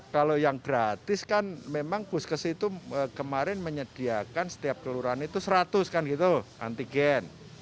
kalau yang gratis kan memang puskes itu kemarin menyediakan setiap kelurahan itu seratus kan gitu antigen